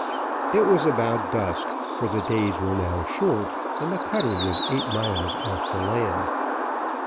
It was about dusk, for the days were now short, and the cutter was eight miles off the land.